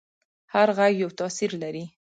هر غږ یو تاثیر لري.